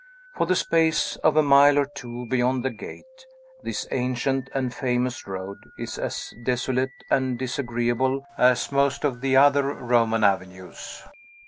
For the space of a mile or two beyond the gate, this ancient and famous road is as desolate and disagreeable as most of the other Roman avenues.